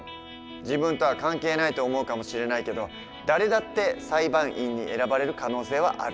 自分とは関係ないと思うかもしれないけど誰だって裁判員に選ばれる可能性はある。